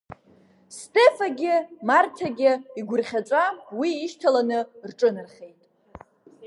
Стефагьы Марҭагьы игәырӷьаҵәа уи ишьҭаланы рҿынархеит.